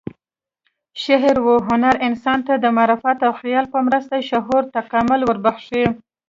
شعر و هنر انسان ته د معرفت او خیال په مرسته شعوري تکامل وربخښي.